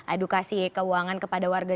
edukasi keuangan kepada warga